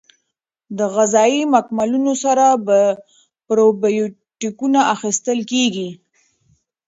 د غذایي مکملونو سره پروبیوتیکونه اخیستل کیږي.